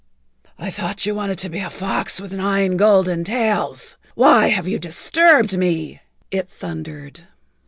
"I thought you wanted to be a fox with nine golden tails. Why have you disturbed me?" it thundered.